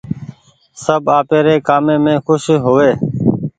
سب آپيري ڪآمي مين کوش هووي۔